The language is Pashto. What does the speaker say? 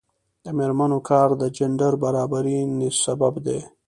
د میرمنو کار د جنډر برابري سبب دی.